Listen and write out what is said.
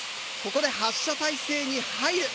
ここで発射態勢に入る。